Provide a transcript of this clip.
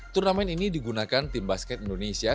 turnamen ini digunakan tim basket indonesia